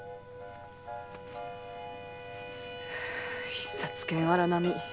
必殺剣“荒波”。